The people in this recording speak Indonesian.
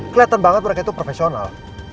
kelihatan banget mereka itu profesional